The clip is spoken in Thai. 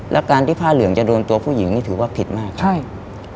แล้วการที่ผ้าเหลืองจะโดนตัวผู้หญิงนี่ถือว่าผิดมากครับใช่